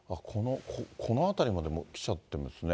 この辺りまでもう来ちゃってますね。